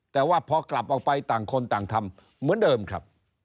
แต่ว่าพอกลับออกไปต่างคนต่างทำเหมือนเดิมครับ